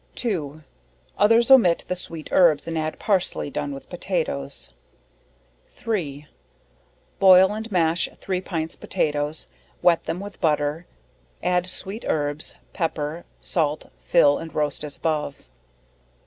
2. Others omit the sweet herbs, and add parsley done with potatoes. 3. Boil and mash 3 pints potatoes, wet them with butter, add sweet herbs, pepper, salt, fill and roast as above.